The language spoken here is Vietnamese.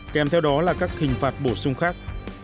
kèm theo đó là các hình phạt bổ sung khác